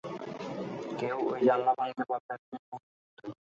কেউ ওই জানালা ভাঙতে পারলে, এতোদিনে ভেঙে ফেলতো।